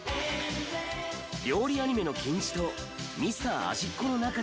料理アニメの金字塔『ミスター味っ子』の中で。